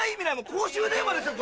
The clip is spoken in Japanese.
公衆電話ですよ